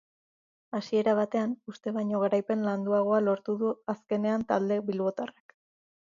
Hasiera batean uste baino garaipen landuagoa lortu du azkenean talde bilbotarrak.